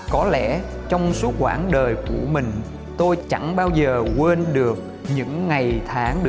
có lẽ trong suốt quãng đời của mình tôi chẳng bao giờ quên được những ngày tháng